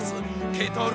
ケトル